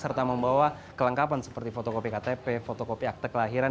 serta membawa kelengkapan seperti fotokopi ktp fotokopi akte kelahiran